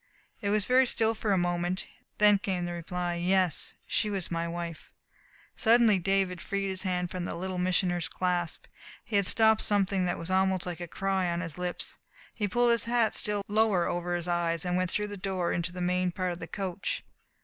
It was very still for a few moments. Then came the reply: "Yes, she was my wife...." Suddenly David freed his hand from the Little Missioner's clasp. He had stopped something that was almost like a cry on his lips. He pulled his hat still lower over his eyes and went through the door out into the main part of the coach.